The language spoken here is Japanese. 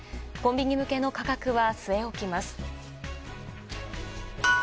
コンビニ向けの価格は据え置きます。